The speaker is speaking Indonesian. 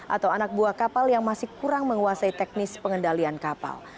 atau anak buah kapal yang masih kurang menguasai teknis pengendalian kapal